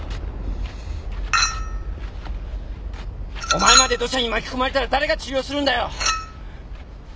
お前まで土砂に巻き込まれたら誰が治療するんだよ？